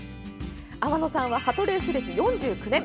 天野さんは、はとレース歴４９年。